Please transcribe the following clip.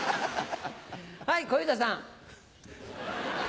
はい小遊三さん。